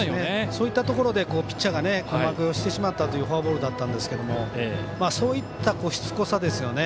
そういったところでピッチャーが困惑してしまったというフォアボールだったと思うんですがそういった、しつこさですよね。